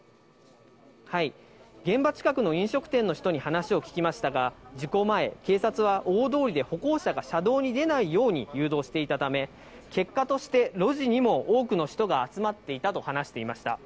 現場近くの飲食店の人に話を聞きましたが、事故前、警察は大通りで歩行者が車道に出ないように誘導していたため、結果として、路地にも多くの人が集まっていたと話していました。